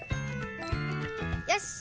よし！